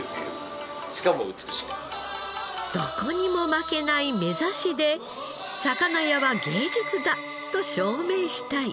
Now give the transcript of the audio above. どこにも負けないめざしで「魚屋は芸術だ」と証明したい。